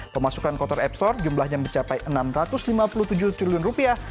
pemasukan kotor app store jumlahnya mencapai enam ratus lima puluh tujuh triliun rupiah